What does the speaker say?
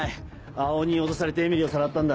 青鬼に脅されてえみりをさらったんだ。